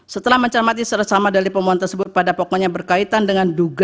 setelah mencermati seresama dari pemohon tersebut pada pokoknya berkaitan dengan dugaan